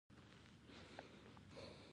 ژوند نه باید د بې رحمه چانسونو محصول وي.